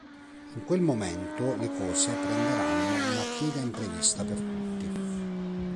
In quel momento le cose prenderanno una piega imprevista per tutti.